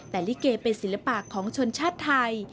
แต่ลิเกเป็นศิลปะของชนชาติไทย